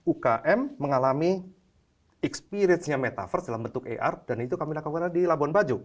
ukm mengalami pengalaman metaverse dalam bentuk ar dan itu kami lakukan di labuan bajo